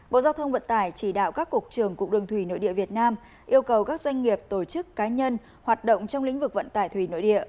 bộ giao thông vận tải chỉ đạo các cục trưởng cục đường thủy nội địa việt nam yêu cầu các doanh nghiệp tổ chức cá nhân hoạt động trong lĩnh vực vận tải thủy nội địa